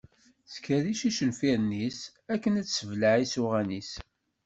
Tettkerric icenfiren-is akken ad tesseblaɛ isuɣan-is.